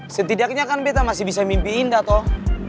setidaknya kan beta masih bisa mimpi indah toh